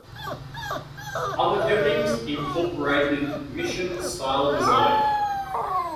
Other buildings incorporated Mission style design.